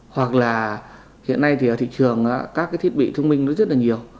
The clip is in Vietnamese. hoặc là hiện nay thì ở thị trường các cái thiết bị thông minh nó rất là nhiều